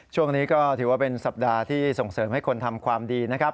ช่วงนี้ก็ถือว่าเป็นสัปดาห์ที่ส่งเสริมให้คนทำความดีนะครับ